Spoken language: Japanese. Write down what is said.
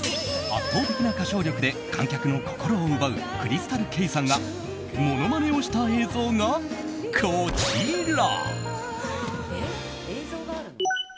圧倒的な歌唱力で観客の心を奪うＣｒｙｓｔａｌＫａｙさんがものまねをした映像がこちら。